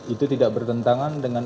itu tidak bertentangan dengan